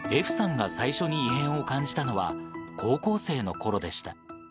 歩さんが最初に異変を感じたのは、高校生のころでした。